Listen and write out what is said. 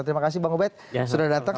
terima kasih bang ubed sudah datang